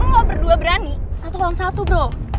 lo berdua berani satu lawan satu bro